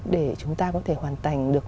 để chúng ta có thể hoàn thành được